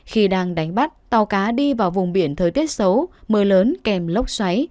khi đang đánh bắt tàu cá đi vào vùng biển thời tiết xấu mưa lớn kèm lốc xoáy